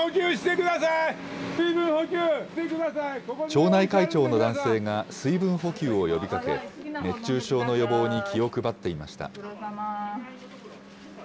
町内会長の男性が、水分補給を呼びかけ、熱中症の予防に気を配っていました。